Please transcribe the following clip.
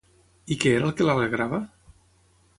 I què era el que l'alegrava?